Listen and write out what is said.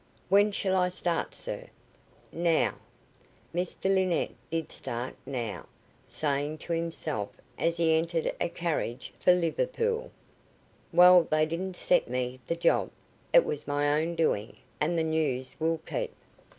"When shall I start, sir?" "Now." Mr Linnett did start now, saying to himself as he entered a carriage for Liverpool: "Well, they didn't set me the job. It was my own doing, and the news will keep."